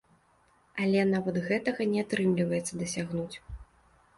Але нават гэтага не атрымліваецца дасягнуць.